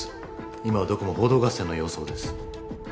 今はどこも報道合戦の様相です